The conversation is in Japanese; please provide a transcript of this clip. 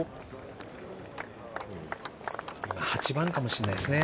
８番かもしれないですね。